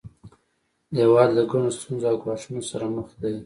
هیواد له ګڼو ستونزو او ګواښونو سره مخ دی